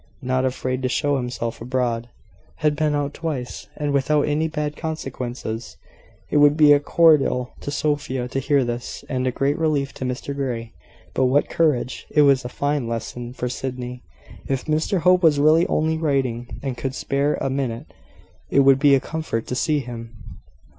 Not afraid to show himself abroad! Had been out twice! and without any bad consequences! It would be a cordial to Sophia to hear this, and a great relief to Mr Grey. But what courage! It was a fine lesson for Sydney. If Mr Hope was really only writing, and could spare a minute, it would be a comfort to see him.